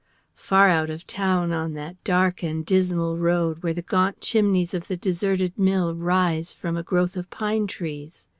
Far out of town on that dark and dismal road, where the gaunt chimneys of the deserted mill rise from a growth of pine trees.